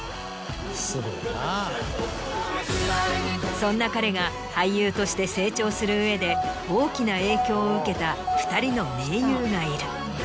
そんな彼が俳優として成長する上で大きな影響を受けた２人の名優がいる。